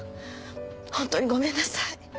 本当にごめんなさい。